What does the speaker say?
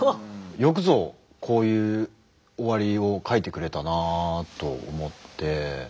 よくぞこういう終わりを書いてくれたなと思って。